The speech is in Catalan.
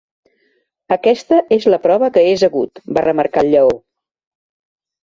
"Aquesta és la prova que és agut", va remarcar el lleó.